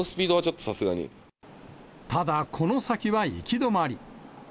ただ、この先は行き止まり。